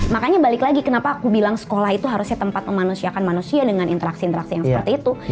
makanya balik lagi kenapa aku bilang sekolah itu harusnya tempat memanusiakan manusia dengan interaksi interaksi yang seperti itu